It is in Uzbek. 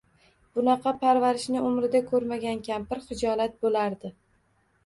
Bunaqa parvarishni umrida ko`rmagan kampir xijolat bo`lardi